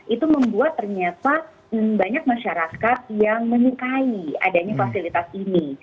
itu membuat ternyata banyak masyarakat yang menyukai adanya fasilitas ini